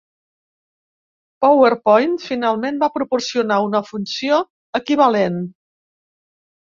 PowerPoint finalment va proporcionar una funció equivalent.